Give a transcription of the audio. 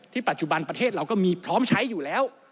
ปัจจุบันประเทศเราก็มีพร้อมใช้อยู่แล้ว